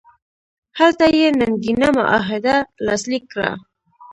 هلته یې ننګینه معاهده لاسلیک کړه.